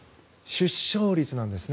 出生率なんですね。